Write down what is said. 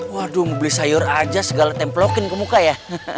waduh beli sayur aja segala templokin ke muka ya